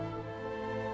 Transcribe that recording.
đặc biệt là